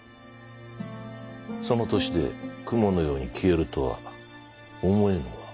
その年で雲のように消えるとは思えぬが。